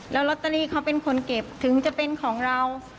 แล้วลอตเตอรี่เขาเป็นคนเก็บถึงจะเป็นของเรา